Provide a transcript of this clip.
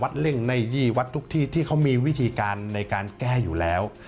เร่งในวัดทุกที่ที่เขามีวิธีการในการแก้อยู่แล้ว